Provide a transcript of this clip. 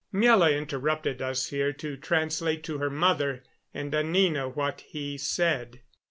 Miela interrupted us here to translate to her mother and Anina what he said.